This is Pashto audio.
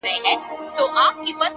پرمختګ د ثابتو هڅو پایله ده؛